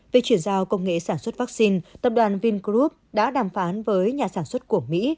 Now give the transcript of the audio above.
về chuyển giao công nghệ sản xuất vaccine tập đoàn vingroup đã đàm phán với nhà sản xuất của mỹ